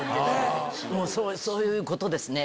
そういうことですね。